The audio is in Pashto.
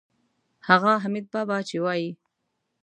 هغه حمیدبابا چې وایي.